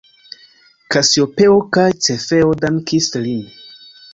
Kasiopeo kaj Cefeo dankis lin.